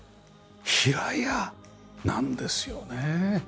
平屋なんですよね。